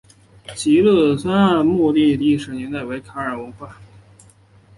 极乐前二村墓地的历史年代为卡约文化。